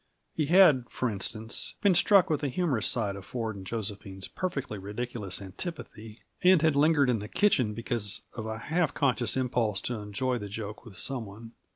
He had, for instance, been struck with the humorous side of Ford and Josephine's perfectly ridiculous antipathy, and had lingered in the kitchen because of a half conscious impulse to enjoy the joke with some one.